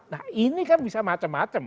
nah ini kan bisa macam macam